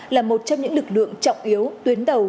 là một trong những lực lượng trọng yếu tuyến đầu